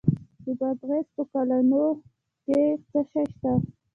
د بادغیس په قلعه نو کې څه شی شته؟